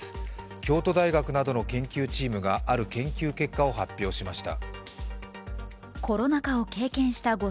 京都大学などの研究チームがある研究結果を発表しました。